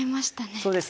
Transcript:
そうですね